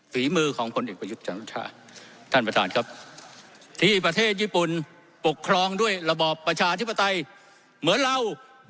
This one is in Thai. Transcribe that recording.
ฝีมือของผลเอกประยุทธ์จันทุชาท่านประธานครับที่ประเทศญี่ปุ่นปกครองด้วยระบอบประชาธิปไตยเหมือนเรา